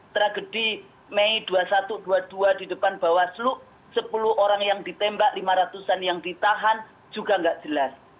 tragedi mei dua puluh satu dua puluh dua di depan bawaslu sepuluh orang yang ditembak lima ratus an yang ditahan juga nggak jelas